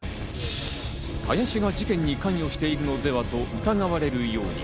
林が事件に関与しているのではと疑われるように。